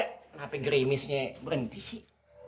kenapa gerimisnya berhenti sih